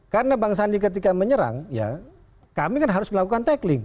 karena bang sandi ketika menyerang ya kami kan harus melakukan tackling